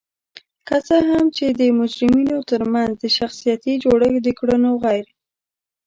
که څه هم چې د مجرمینو ترمنځ د شخصیتي جوړخت د کړنو غیر